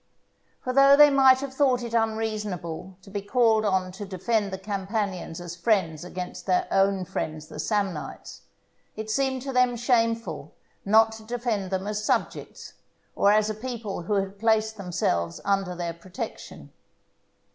For though they might have thought it unreasonable to be called on to defend the Campanians as friends against their own friends the Samnites, it seemed to them shameful not to defend them as subjects, or as a people who had placed themselves under their protection.